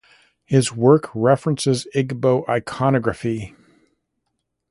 His work references Igbo iconography.